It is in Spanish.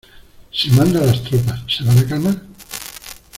Si mando a las tropas, ¿ se van a calmar?